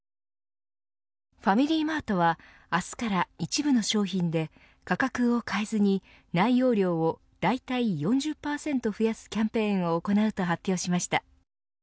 ファミリーマートは明日から一部の商品で価格を変えずに内容量をだいたい４０％増やすキャンペーンを行うと発表しました。